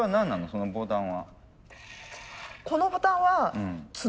そのボタン角？